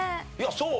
そう？